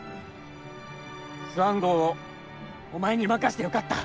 スワン号をお前に任してよかった。